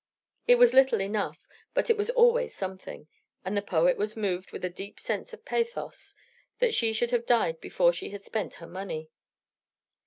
It was little enough; but it was always something; and the poet was moved with a deep sense of pathos that she should have died before she had spent her money.